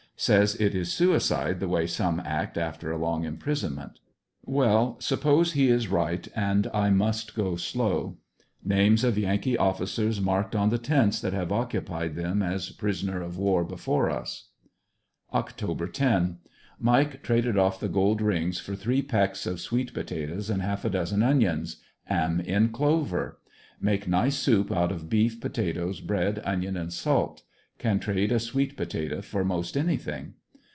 Says it is suicide the way some act after a long imprisonment. Well, suppose he is right and I must go slow. Names of yankee officers marked on the tents that have occupied them as prisoner of war before us. Oct. 10. — Mike traded off the gold rings for three pecks of sweet potatoes and half a dozen onions; am in clover. Make nice soup out of beef, potatoe, bread, onion and salt; can trade a sweet pota toe for most anything.